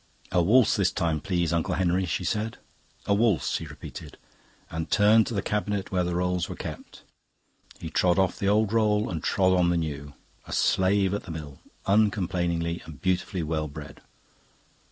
"A waltz this time, please, Uncle Henry," she said. "A waltz," he repeated, and turned to the cabinet where the rolls were kept. He trod off the old roll and trod on the new, a slave at the mill, uncomplaining and beautifully well bred.